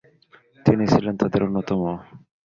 তিনি ছিলেন তাদের অন্যতম।